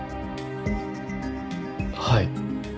はい。